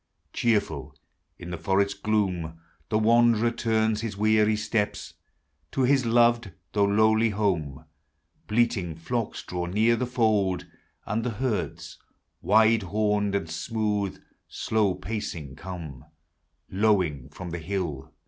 Cheerful in the forest gloom, The wanderer turns his weary Bteps To liis loved, though lowly home. Bleating Hocks draw near the fold ; And the herds, Wide homed, and smooth, slow pacing come Lowing from the hill.